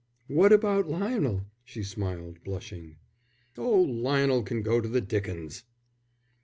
"What about Lionel?" she smiled, blushing. "Oh, Lionel can go to the dickens."